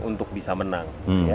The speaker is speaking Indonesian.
untuk bisa menang